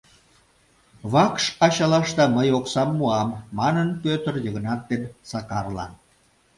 — Вакш ачалашда мый оксам муам, — манын Пӧтыр Йыгнат ден Сакарлан.